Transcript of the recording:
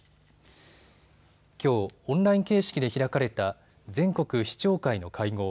きょうオンライン形式で開かれた全国市長会の会合。